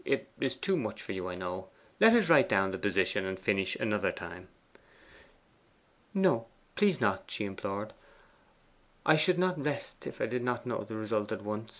'It is too much for you, I know. Let us write down the position, and finish another time.' 'No, please not,' she implored. 'I should not rest if I did not know the result at once.